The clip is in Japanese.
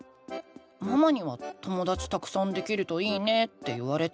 ママには「ともだちたくさんできるといいね」って言われたけど。